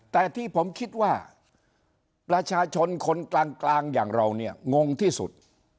แต่ที่ผมคิดว่าประชาชนคนกลางอย่างเราเนี่ยงงที่สุด